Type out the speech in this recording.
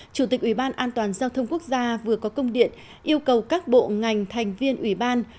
chủ tịch ủy ban an toàn giao thông quốc gia vừa có công điện yêu cầu các bộ ngành thành viên ủy ban